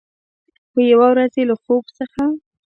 خو، یوه ورځ چې له خوب څخه